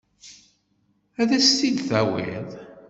Ad as-t-id-tawiḍ?